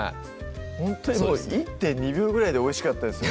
ほんとに１．２秒ぐらいでおいしかったですよ